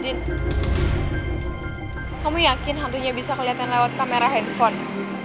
kamu yakin hantunya bisa kelihatan lewat kamera handphone